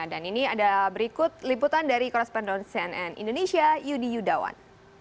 dan ini ada berikut liputan dari korespondon cnn indonesia yudi yudawan